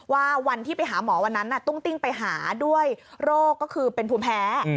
วันที่ไปหาหมอวันนั้นตุ้งติ้งไปหาด้วยโรคก็คือเป็นภูมิแพ้